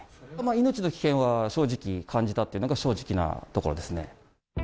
命の危険は正直、感じたっていうのが、正直なところですね。